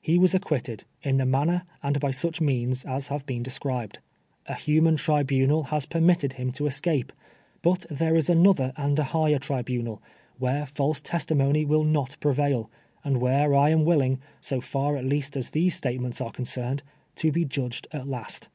He was acquitted, in the manner, and by such ineans as have been described. A human tribunal has per mitted him to escape ; but there is another and a higher tribunal, where false testimony will not pre vail, and where I am willing, so f^ir at least as these statements are concerned, to be judged at last.